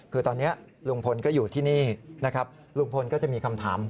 คือตอนนี้ลุงพลก็อยู่ที่นี่นะครับลุงพลก็จะมีคำถาม